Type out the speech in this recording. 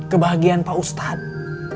kebahagiaan pak ustadz